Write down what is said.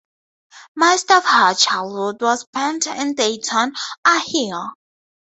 Most of her childhood was spent in Dayton, Ohio.